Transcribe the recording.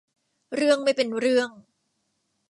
เรื่องไม่เป็นเรื่อง